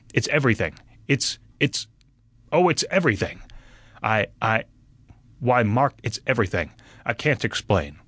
It's everything. It's it's oh, it's everything! I I why, Mark, it's everything I can't explain."